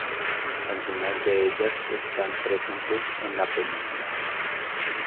Algunas de ellas están presentes en la película.